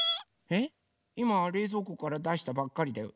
えっいまれいぞうこからだしたばっかりだよ。